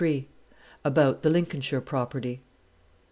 ABOUT THE LINCOLNSHIRE PROPERTY.